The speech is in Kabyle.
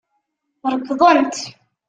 Rekdent.